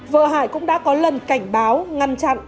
vợ hải cũng đã có lần cảnh báo ngăn chặn